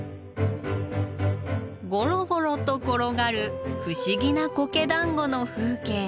ゴロゴロと転がる不思議なコケだんごの風景。